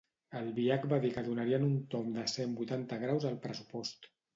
Albiach va dir que donarien un tomb de cent vuitanta graus al pressupost.